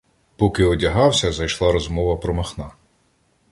Поки одягався, зайшла розмова про Махна.